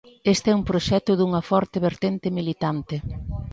Este é un proxecto dunha forte vertente militante.